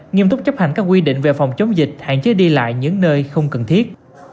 nghiêm túc chấp hành các quy định về phòng chống dịch hạn chế đi lại những nơi không cần thiết